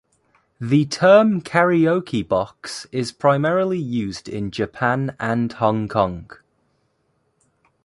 The term karaoke box is primarily used in Japan and Hong Kong.